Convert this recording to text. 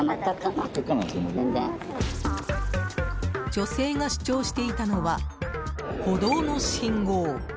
女性が主張していたのは歩道の信号。